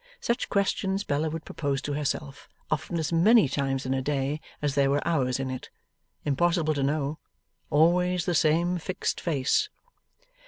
Such questions Bella would propose to herself, often as many times in a day as there were hours in it. Impossible to know. Always the same fixed face.